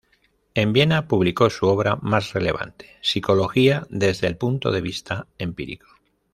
En Viena publicó su obra más relevante: "Psicología desde el punto de vista empírico".